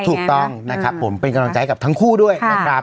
ถูกต้องนะครับผมเป็นกำลังใจกับทั้งคู่ด้วยนะครับ